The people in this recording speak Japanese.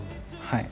はい。